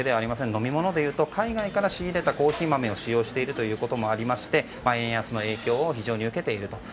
飲み物でいうと海外から仕入れたコーヒー豆を使用しているということもあって円安の影響を非常に受けていると。